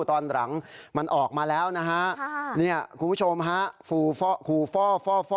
ตอนหลังมันออกมาแล้วนะฮะเนี่ยคุณผู้ชมฮะฟูฟ่อฟูฟ่อฟ่อ